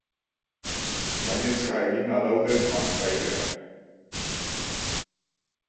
Gainezka eginda daude bantzaileak.